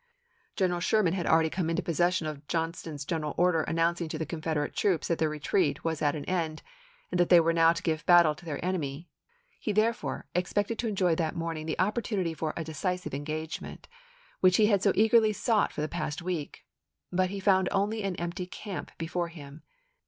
General Sherman had already come into posses sion of Johnston's General Order announcing to the Confederate troops that their retreat was at an end, and that they were now to give battle to their enemy ; he, therefore, expected to enjoy that morn ing the opportunity for a decisive engagement, which he had so eagerly sought for the past week ; but he found only an empty camp before him.